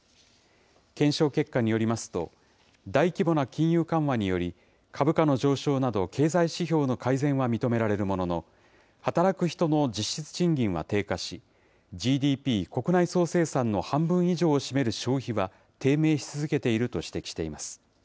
検証結果によりますと、大規模な金融緩和により、株価の上昇など経済指標の改善は認められるものの、働く人の実質賃金は低下し、ＧＤＰ・国内総生産の半分以上を占める消費は低迷し続けていると指摘しています。